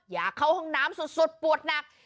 อยากเข้าห้องน้ำสุดปวดหนัก